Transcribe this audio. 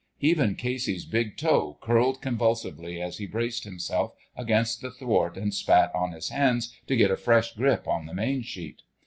Even Casey's big toe curled convulsively as he braced himself against the thwart and spat on his hands to get a fresh grip on the main sheet.